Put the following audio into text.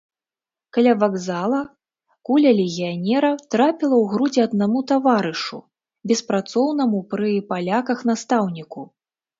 Каля вакзала куля легіянера трапіла ў грудзі аднаму таварышу, беспрацоўнаму пры паляках настаўніку.